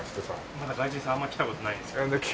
まだ外人さんあんま来た事ないんですけど。